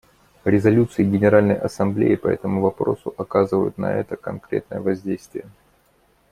Резолюции Генеральной Ассамблеи по этому вопросу оказывают на это конкретное воздействие.